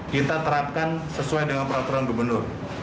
kita terapkan sesuai dengan peraturan gubernur